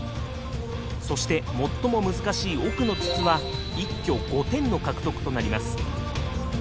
そして最も難しい奥の筒は一挙５点の獲得となります。